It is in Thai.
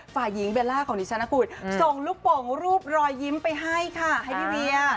ฝ่ายหญิงเบลล่าของดิฉันนะคุณส่งลูกโป่งรูปรอยยิ้มไปให้ค่ะให้พี่เวีย